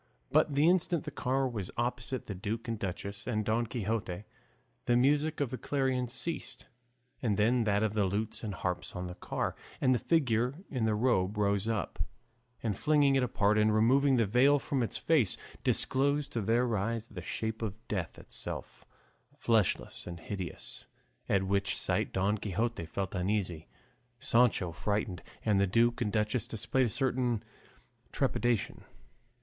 But the instant the car was opposite the duke and duchess and Don Quixote the music of the clarions ceased, and then that of the lutes and harps on the car, and the figure in the robe rose up, and flinging it apart and removing the veil from its face, disclosed to their eyes the shape of Death itself, fleshless and hideous, at which sight Don Quixote felt uneasy, Sancho frightened, and the duke and duchess displayed a certain trepidation.